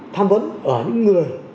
tham vấn ở những người